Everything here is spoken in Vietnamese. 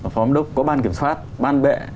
phó giám đốc có ban kiểm soát ban bệ